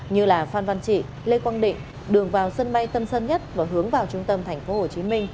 như là phan văn trị lê quang định đường vào sân bay tân sơn nhất và hướng vào trung tâm tp hcm